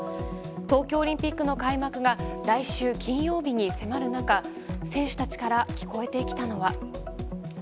東京オリンピックの開幕が来週金曜日に迫る中選手たちから聞こえてきたのは。